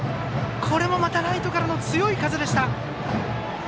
これもまたライトからの強い風でした。